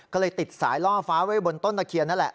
ก็เลยติดสายล่อฟ้าไว้บนต้นตะเคียนนั่นแหละ